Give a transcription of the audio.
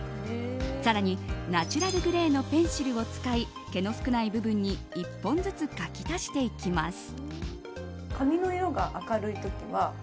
更にナチュラルグレーのペンシルを使い毛の少ない部分に１本ずつ描き足していきます。